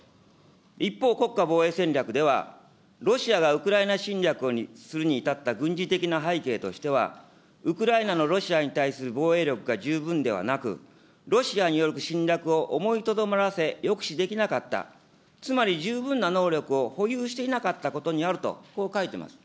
一方、国家防衛戦略ではロシアがウクライナするに至った軍事的背景としては、ウクライナのロシアに対する防衛力が十分ではなく、ロシアによる侵略を思いとどまらせ、抑止できなかった、つまり十分な能力を保有していなかったことにあると、こう書いてます。